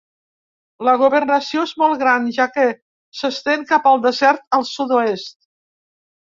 La governació és molt gran, ja que s'estén cap al desert al sud-oest.